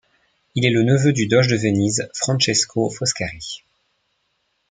Il est le neveu du doge de Venise Francesco Foscari.